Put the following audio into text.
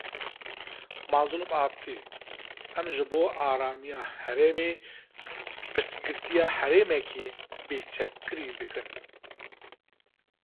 Mazlûm Abdî: Em ji bo aramiya herêmê piştgiriya herêmeke bêçekkirî dikin